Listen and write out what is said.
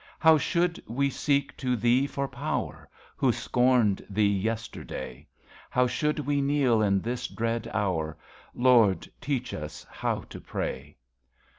How should we seek to Thee for power, Who scorned Thee yesterday ? How should we kneel in this dread hour? Lord, teach us how to pray.